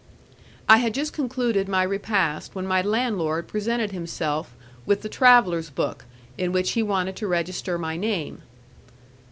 I had just concluded my repast when my landlord presented himself with the travellers' book, in which he wanted to register my name.